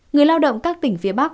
người lao động các tỉnh phía bắc